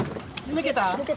抜けた。